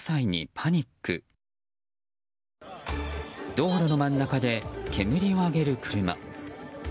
道路の真ん中で煙を上げる車。